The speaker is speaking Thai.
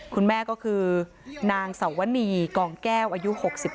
คุณแม่ก็คือนางสวนีกองแก้วอายุ๖๒